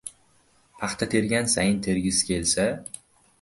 paxta tergan sayin tergisi kelsa…